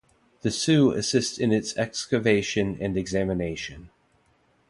The Sioux assist in its excavation and examination.